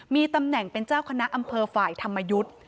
มีตำแหน่งเป็นเจ้าคณะอำเภอฝ่ายธรรมยุทธ์